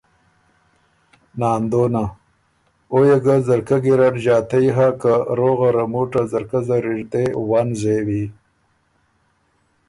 ناندونه: او يې ګۀ ځرکۀ ګیرډ ݫاتئ هۀ که روغه موټه ځرکۀ زر اِر دې ون زېوی